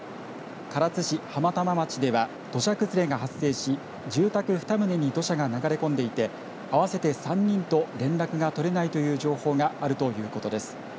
唐津市浜玉町では土砂崩れが発生し住宅２棟に土砂が流れ込んでいて合わせて３人と連絡が取れないという情報があるということです。